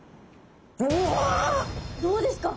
どうですか？